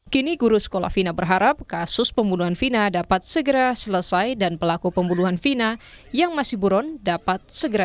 kini guru sekolah fina berharap kasus pembunuhan vina dapat segera selesai dan pelaku pembunuhan vina yang masih buron dapat segera